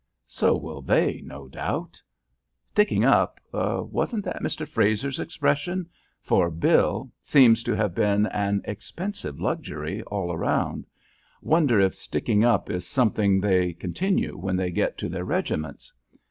"So will they, no doubt. 'Sticking up' wasn't that Mr. Frazer's expression? for Bill seems to have been an expensive luxury all round. Wonder if sticking up is something they continue when they get to their regiments?